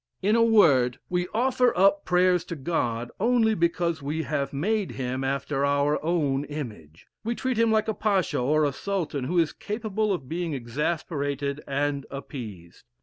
In a word, we offer up prayers to God only because we have made him after our own image. We treat him like a pacha, or a sultan, who is capable of being exasperated and appeased.